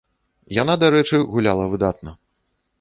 Яна, дарэчы, гуляла выдатна.